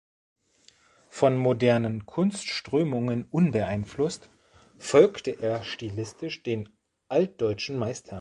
Von modernen Kunstströmungen unbeeinflusst, folgte er stilistisch den altdeutschen Meistern.